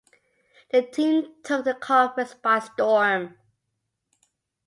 The team took the Conference by storm.